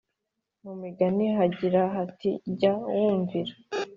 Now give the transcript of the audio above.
Mu Migani hagira hati Jya wumvira